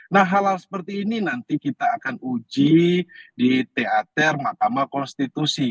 nah hal hal seperti ini nanti kita akan uji di teater mahkamah konstitusi